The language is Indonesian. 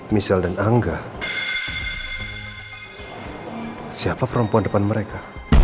michelle dan angga siapa perempuan depan mereka